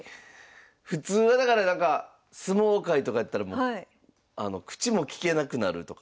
普通はだから相撲界とかやったらもう口も利けなくなるとか。